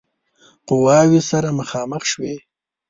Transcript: قواوې سره مخامخ شوې.